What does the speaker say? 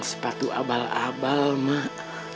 sepatu abal abal mak